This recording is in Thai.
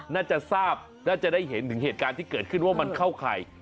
น่าจะทราบน่าจะได้เห็นถึงเหตุการณ์ที่เกิดขึ้นว่ามันเข้าข่าย